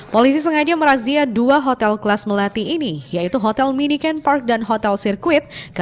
polisi sengaja merazia dua hotel kelas melati ini yaitu hotel mini ken park dan hotel sirkuit